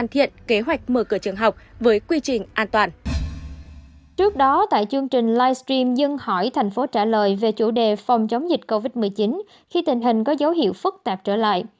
trước đó tại chương trình livestream dân hỏi thành phố trả lời về chủ đề phòng chống dịch covid một mươi chín khi tình hình có dấu hiệu phức tạp trở lại